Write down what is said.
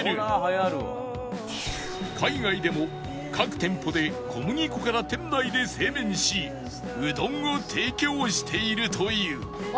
海外でも各店舗で小麦粉から店内で製麺しうどんを提供しているという